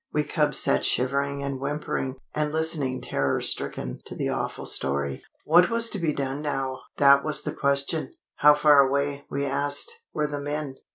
We cubs sat shivering and whimpering, and listening terror stricken to the awful story. What was to be done now? That was the question. How far away, we asked, were the men?